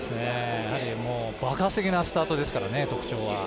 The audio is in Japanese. やはり爆発的なスタートですからね、特徴は。